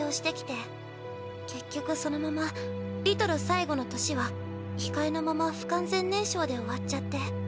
結局そのままリトル最後の年は控えのまま不完全燃焼で終わっちゃって。